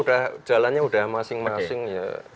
udah jalannya udah masing masing ya